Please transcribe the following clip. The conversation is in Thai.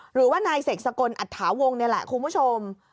หรือว่านายเสกสกลอัตถาวงนี่แหละคุณผู้ชม